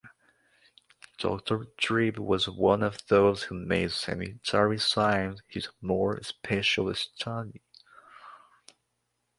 Doctor Tripe was one of those who made sanitary science his more special study.